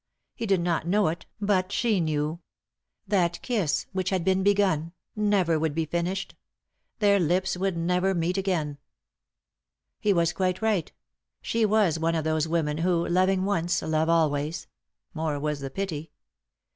He did not know it, but she knew. That kiss, which had been begun, never 7* 3i 9 iii^d by Google THE INTERRUPTED KISS would be finished ; their lips would never meet again. He was quite right ; she was one of those women who, loving once, love always — more was the pity.